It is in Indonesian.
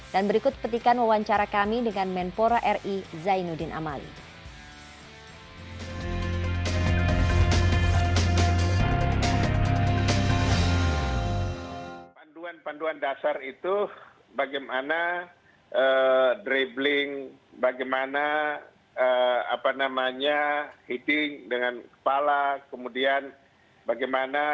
dan berikut petikan wawancara kami dengan menpora ri zainuddin amali